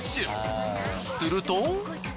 すると。